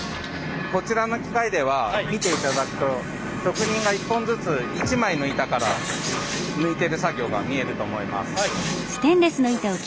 こちらの機械では見ていただくと職人が一本ずつ一枚の板から抜いてる作業が見えると思います。